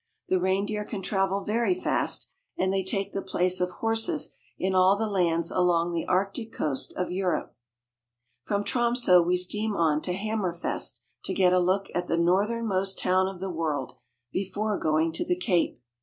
The reindeer can travel very fast, and they take the place of horses in all the lands along the Arctic coast of Europe. From Tromso we steam on to Hammerfest, to get a look at the northernmost town of the world before going to the Cape.